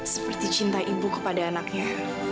seperti cinta ibu kepada anaknya